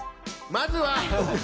まずは。